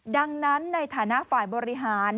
ดังนั้นในฐานะฝ่ายบริหาร